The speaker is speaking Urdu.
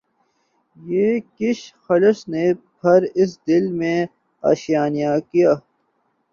یہ کس خلش نے پھر اس دل میں آشیانہ کیا